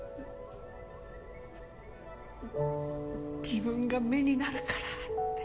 自分が目になるからって。